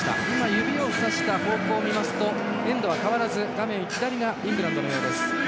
指をさした方向を見るとエンドは変わらず、画面左がイングランドのようです。